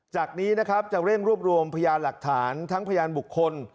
จากนี้นะครับจะเร่งรวบรวมพยานหลักฐานทั้งพยานบุคคล